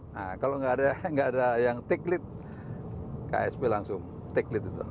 nah kalau nggak ada yang take lead ksp langsung take lead itu